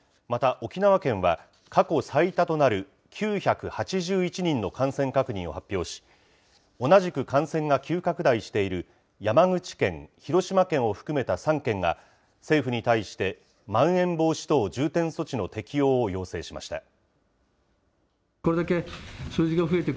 また、沖縄県は、過去最多となる９８１人の感染確認を発表し、同じく感染が急拡大している山口県、広島県を含めた３県が政府に対してまん延防止等重点措置の適用を要請しました。